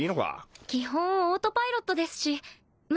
北根）基本オートパイロットですし爐靴